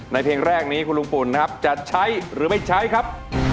เพลงแรกนี้คุณลุงปุ่นนะครับจะใช้หรือไม่ใช้ครับ